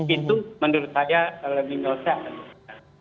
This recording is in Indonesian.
itu menurut saya learning lossnya akan dihadapi